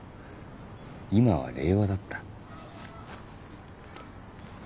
今は令和だった。